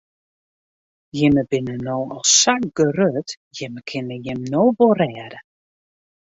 Jimme binne no al sa grut, jimme kinne jim no wol rêde.